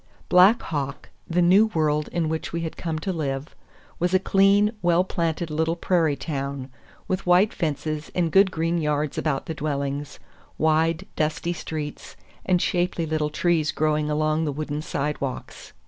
Black Hawk, the new world in which we had come to live, was a clean, well planted little prairie town, with white fences and good green yards about the dwellings, wide, dusty streets, and shapely little trees growing along the wooden sidewalks.